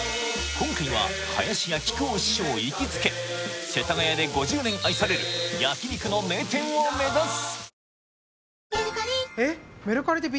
今回は林家木久扇師匠行きつけ世田谷で５０年愛される焼肉の名店を目指す